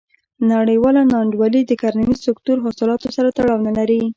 نړیواله نا انډولي د کرنیز سکتور حاصلاتو سره تړاو نه لري.